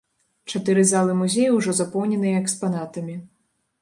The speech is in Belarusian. Чатыры залі музея ўжо запоўненыя экспанатамі.